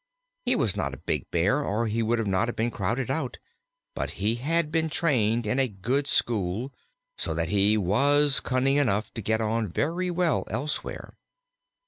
He was not a big Bear, or he would not have been crowded out; but he had been trained in a good school, so that he was cunning enough to get on very well elsewhere.